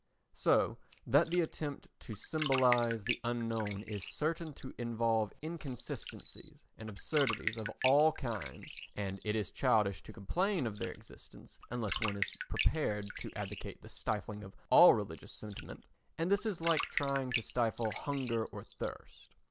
So that the attempt to symbolise the unknown is certain to involve inconsistencies and absurdities of all kinds and it is childish to complain of their existence unless one is prepared to advocate the stifling of all religious sentiment, and this is like trying to stifle hunger or thirst.